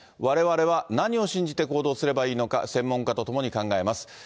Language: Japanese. われわれは何を信じて行動すればいいのか、専門家と共に考えます。